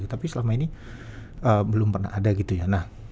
tapi selama ini belum pernah ada gitu ya